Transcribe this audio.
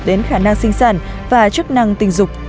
đến khả năng sinh sản và chức năng tình dục